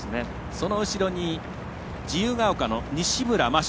その後ろに自由ケ丘の西村真周。